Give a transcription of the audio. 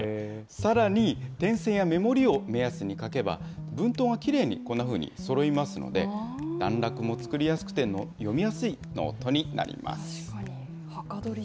さらに、点線や目盛りを目安に書けば、文頭がきれいに、こんなふうにそろいますので、段落も作りやすくて、読みやすいノート確かに。